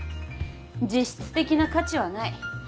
実質的な価値はない。